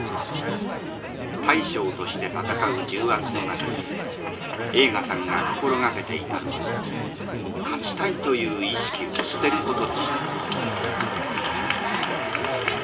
大将として戦う重圧の中で栄花さんが心掛けていたのは勝ちたいという意識を捨てることでした。